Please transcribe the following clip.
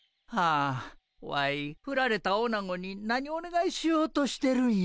あワイふられたオナゴに何おねがいしようとしてるんや。